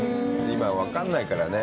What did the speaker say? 今、分からないからね。